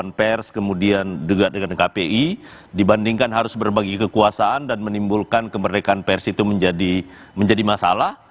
dengan pers kemudian juga dengan kpi dibandingkan harus berbagi kekuasaan dan menimbulkan kemerdekaan pers itu menjadi masalah